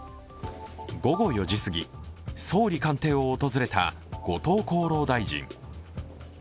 午後４時過ぎ、総理官邸を訪れた後藤厚労大臣。